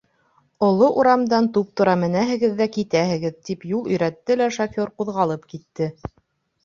Оло урамдан туп-тура менәһегеҙ ҙә китәһегеҙ, - тип юл өйрәтте лә шофёр ҡуҙғалып китте.